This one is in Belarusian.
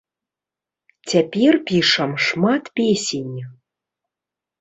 Цяпер пішам шмат песень.